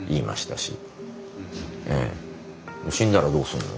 「死んだらどうすんの？」